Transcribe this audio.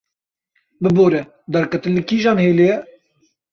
Bibore, derketin li kîjan hêlê ye?